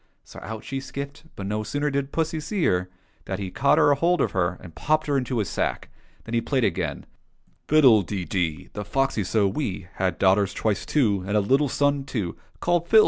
So out she skipped, but no sooner did pussy see her than he caught hold of her and popped her into his sack. Then he played again : ^''Fiddle de dee ! The foxy so wee Had daughters twice two. And a little son too. Called Phil.